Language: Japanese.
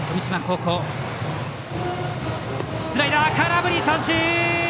スライダー、空振り三振。